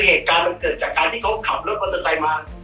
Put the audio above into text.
เหตุการณ์มันเกิดจากการที่เขาขับรถบริษัทมา